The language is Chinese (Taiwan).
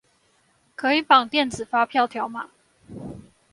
可以綁電子發票條碼